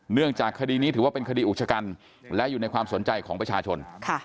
เนื่องจากคดีนี้ถือว่าเป็นคดีอุกชกันและอยู่ในความสนใจของประชาชน